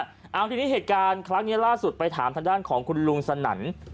เอาทีนี้เหตุการณ์ครั้งนี้ล่าสุดไปถามทางด้านของคุณลุงสนั่น